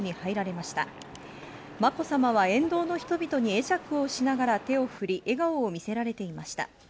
まこさまは沿道の人に会釈をしながら手を振り、笑顔を見せられていました。